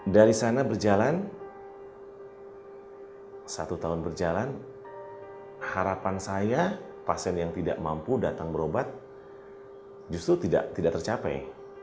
dari sana berjalan satu tahun berjalan harapan saya pasien yang tidak mampu datang berobat justru tidak tercapai